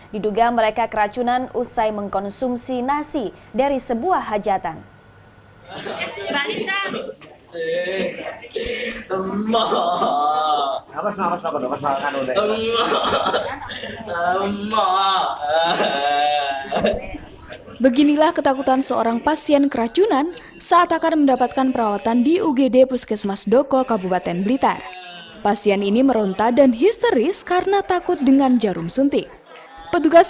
diduga mereka keracunan usai mengkonsumsi nasi dari sebuah hajatan